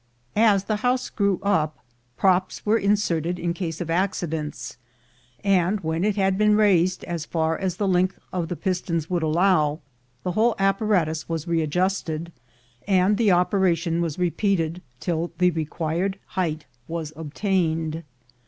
As the house grew up, props were inserted in case of accidents; and when it had been raised as far as the length of the pistons would allow, the whole apparatus was read justed, and the operation was repeated till the re quired height was obtained.